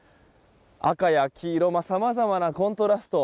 赤や黄色さまざまなコントラスト